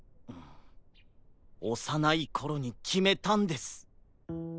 おさないころにきめたんです。